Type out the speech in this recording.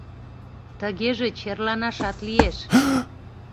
Тыгеже черланашат лиеш.